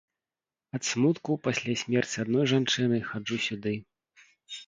Ад смутку, пасля смерці адной жанчыны, хаджу сюды.